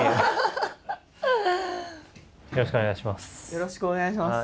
よろしくお願いします。